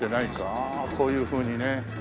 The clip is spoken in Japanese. ああこういうふうにね。